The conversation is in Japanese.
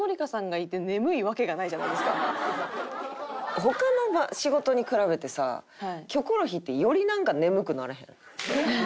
他の仕事に比べてさ『キョコロヒー』ってよりなんか眠くならへん？